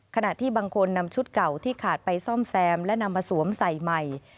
ขณะที่บางคนนำชุดเก่าที่ขาดไปซ่อมแซมและนำมาสวมใส่ใหม่